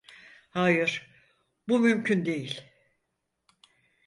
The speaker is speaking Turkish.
Hayır, bu mümkün değil.